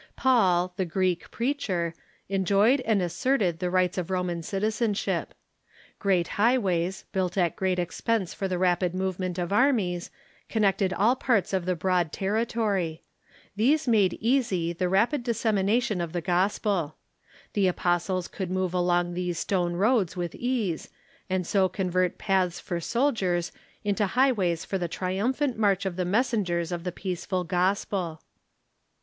Paul, the Greek preacher, enjoyed and asserted the rights of Roman citizen ship. Great highways, built at great expense for the rapid 12 THE EARLY CHURCH movement of armies, connected all parts of the broad terri tory. These made easy the rapid dissemination of the gospel. The apostles could move along these stone roads with ease, and so convert paths for soldiers into highways for the tri umphant march of the messengers of the peaceful gospel.